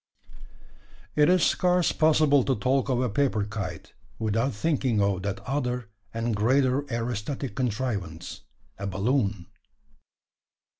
It is scarce possible to talk of a paper kite, without thinking of that other and greater aerostatic contrivance a balloon.